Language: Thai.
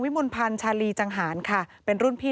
วิมนภัณฑ์ชาลีจังหารเป็นรุ่นพี่